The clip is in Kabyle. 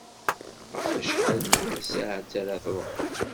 Ɣef wacḥal tasaɛet ara tṛuḥeḍ?